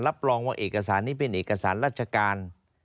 รับรองว่าเอกสารนี้เป็นเอกสารราชการ